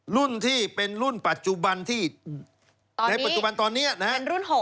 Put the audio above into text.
รุ่นที่เป็นรุ่นปัจจุบันในปัจจุบันตอนนี้คือนายเคนอิจิ